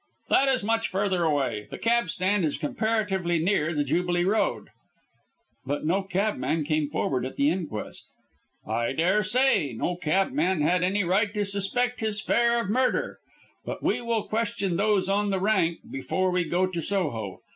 "That is much further away. The cab stand is comparatively near the Jubilee Road." "But no cabman came forward at the inquest." "I daresay. No cabman had any right to suspect his fare of murder. But we will question those on the rank before we go to Soho.